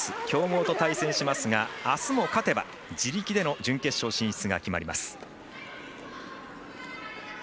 強豪と対戦しますがあすも勝てば、自力での準決勝進出が決まります。